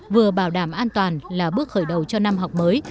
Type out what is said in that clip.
vừa bảo đảm an toàn là bước khởi đầu cho năm học mới